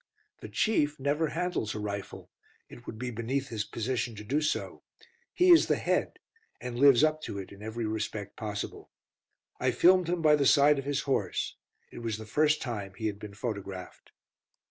The Chief never handles a rifle, it would be beneath his position to do so. He is the Head, and lives up to it in every respect possible. I filmed him by the side of his horse. It was the first time he had been photographed.